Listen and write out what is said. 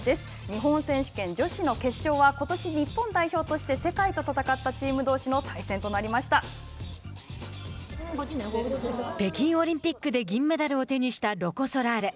日本選手権女子の決勝はことし日本代表として世界と戦ったチームどうしの北京オリンピックで銀メダルを手にしたロコ・ソラーレ。